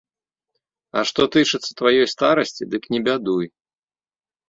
А што тычыцца тваёй старасці, дык не бядуй.